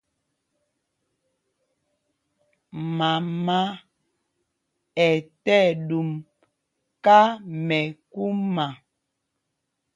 Mama ɛ tí ɛɗum kámɛkúma.